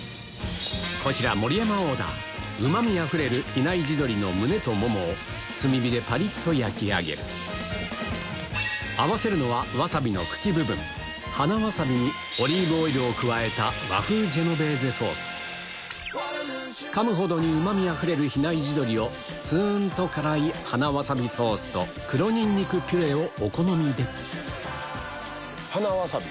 こちら盛山オーダーうまみあふれる比内地鶏のむねとももを炭火でパリっと焼き上げる合わせるのはワサビの茎部分花山葵にオリーブオイルを加えたかむほどにうまみあふれる比内地鶏をツンと辛い花山葵ソースと黒ニンニクピュレをお好みで花山葵。